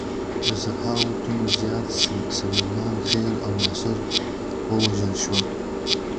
له زرهاوو تنو زیات سلیمان خېل او ناصر ووژل شول.